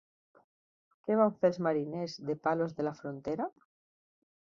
Què van fer els mariners de Palos de la Frontera?